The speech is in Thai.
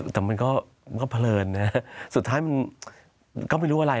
แต่มันก็เผลอเนี่ยสุดท้ายก็ไม่รู้อะไร